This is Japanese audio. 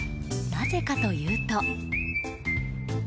なぜかというと。